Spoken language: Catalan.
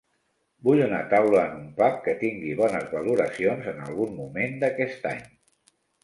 Vull una taula en un pub que tingui bones valoracions en algun moment d'aquest any